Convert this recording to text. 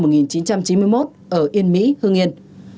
năm đào đình kiên sinh năm một nghìn chín trăm chín mươi bốn ở yên mỹ hương yên